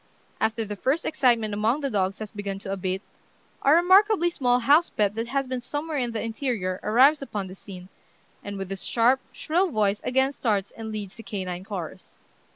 After the first excitement among the dogs has begun to abate, a remarkably small house pet that has been somewhere in the interior arrives upon the scene, and with his sharp, shrill voice again starts and leads the canine chorus.